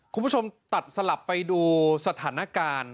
คุณผู้ชมตัดสลับไปดูสถานการณ์